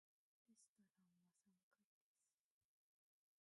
レストランは三階です。